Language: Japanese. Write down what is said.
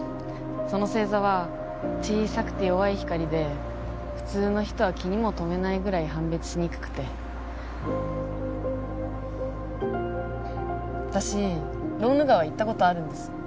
その星座は小さくて弱い光で普通の人は気にも留めないぐらい判別しにくくて私ローヌ川行ったことあるんです